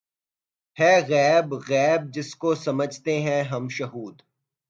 ہے غیب غیب‘ جس کو سمجھتے ہیں ہم شہود